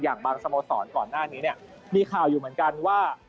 บางสโมสรก่อนหน้านี้เนี่ยมีข่าวอยู่เหมือนกันว่า